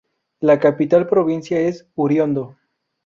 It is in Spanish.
La capital provincia es Uriondo.